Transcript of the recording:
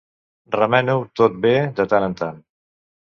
Remena-ho tot bé de tant en tant.